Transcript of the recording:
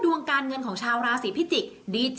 ส่งผลทำให้ดวงชาวราศีมีนดีแบบสุดเลยนะคะ